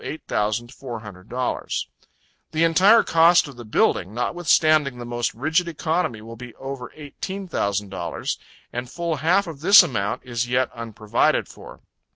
$8,400 The entire cost of the building, notwithstanding the most rigid economy, will be over eighteen thousand dollars, and full half of this amount is yet unprovided for.